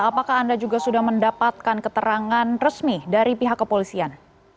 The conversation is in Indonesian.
apakah anda juga sudah mendapatkan keterangan resmi dari pihak kepolisian